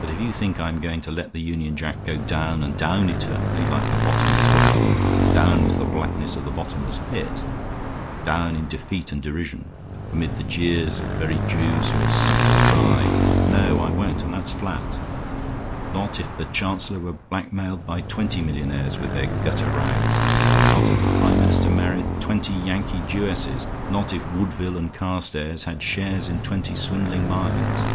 But if you think I am going to let the Union Jack go down and down eternally, like the bottomless well, down into the blackness of the bottomless pit, down in defeat and derision, amid the jeers of the very Jews who have sucked us dry no I won't, and that's flat; not if the Chancellor were blackmailed by twenty millionaires with their gutter rags, not if the Prime Minister married twenty Yankee Jewesses, not if Woodville and Carstairs had shares in twenty swindling mines.